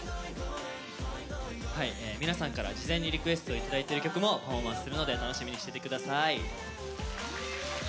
皆さんから事前にリクエストをいただいてる曲もパフォーマンスするので楽しみにしててください。